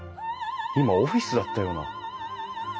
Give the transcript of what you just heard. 今オフィスだったような。